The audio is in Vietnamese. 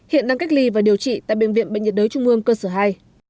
hiện đang cách ly và điều trị tại bệnh viện bệnh nhiệt đới trung ương cơ sở hai